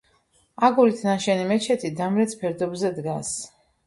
აგურით ნაშენი მეჩეთი დამრეც ფერდობზე დგას.